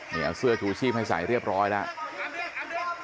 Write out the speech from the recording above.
นี่เอาเสื้อชูชีพให้ใส่เรียบร้อยแล้ว